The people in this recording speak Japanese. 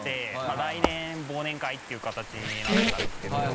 来年忘年会っていうかたちになったんですけど。